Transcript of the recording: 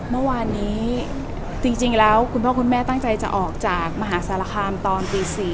เมื่อวานนี้จริงแล้วคุณพ่อคุณแม่ตั้งใจจะออกจากมหาสารคามตอนตี๔